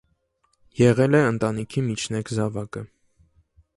Եղել է ընտանիքի միջնեկ զավակը։